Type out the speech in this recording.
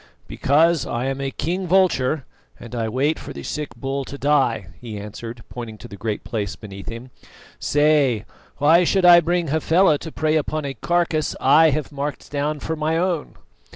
"Because I am a king vulture, and I wait for the sick bull to die," he answered, pointing to the Great Place beneath him. "Say, why should I bring Hafela to prey upon a carcase I have marked down for my own?"